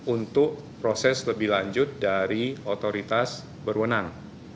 untuk proses lebih lanjut dari otoritas berwenang